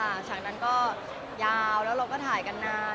อเรนนี่ชั่วก็ยาวล่ะเราก็ถ่ายกันนาน